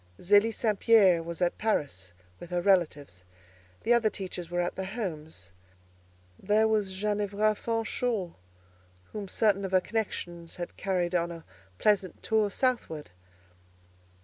Zélie St. Pierre was at Paris, with her relatives; the other teachers were at their homes. There was Ginevra Fanshawe, whom certain of her connections had carried on a pleasant tour southward.